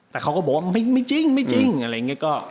แต่เขาก็บอกว่ามันไม่จริงไม่จริงอะไรเงี้ยก็